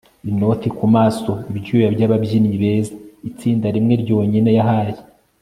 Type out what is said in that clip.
inoti kumaso ibyuya byababyinnyi beza. itsinda rimwe ryonyine yahaye